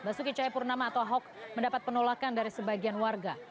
basuki cahayapurnama atau ahok mendapat penolakan dari sebagian warga